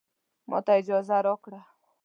ماته اجازه راکړه